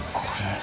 これ。